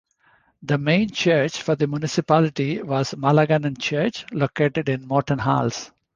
The main church for the municipality was Malangen Church, located in Mortenhals.